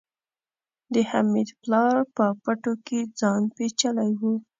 د حميد پلار په پټو کې ځان پيچلی و.